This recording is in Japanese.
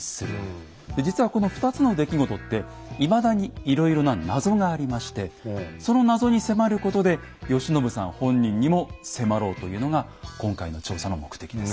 実はこの２つの出来事っていまだにいろいろな謎がありましてその謎に迫ることで慶喜さん本人にも迫ろうというのが今回の調査の目的です。